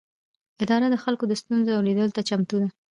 اداره د خلکو د ستونزو اورېدلو ته چمتو ده.